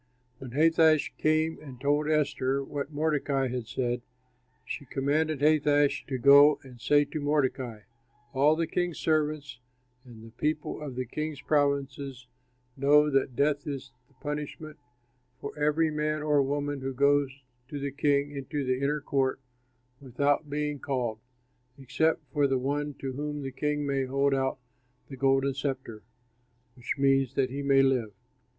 When Hathach came and told Esther what Mordecai had said, she commanded Hathach to go and say to Mordecai, "All the king's servants and the people of the king's provinces know that death is the punishment for every man or woman who goes to the king into the inner court without being called, except for the one to whom the king may hold out the golden sceptre, which means that he may live.